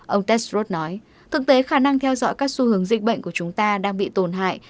ông testrot nói thực tế khả năng theo dõi các xu hướng dịch bệnh của chúng ta đang bị tổn hại